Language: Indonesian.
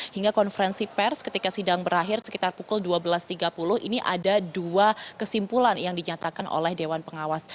hingga konferensi pers ketika sidang berakhir sekitar pukul dua belas tiga puluh ini ada dua kesimpulan yang dinyatakan oleh dewan pengawas